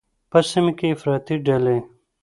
په سیمه کې افراطي ډلې